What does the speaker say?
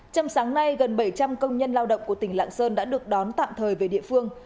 trong sáng nay gần bảy trăm linh công nhân lao động của tỉnh lạng sơn đã được đón tạm thời về địa phương